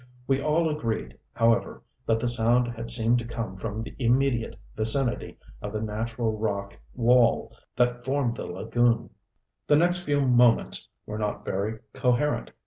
We all agreed, however, that the sound had seemed to come from the immediate vicinity of the natural rock wall that formed the lagoon. The next few moments were not very coherent.